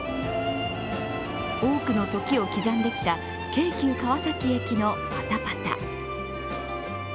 多くの時を刻んできた京急川崎駅のパタパタ。